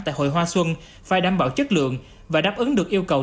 tại hội hoa xuân phải đảm bảo chất lượng và đáp ứng được yêu cầu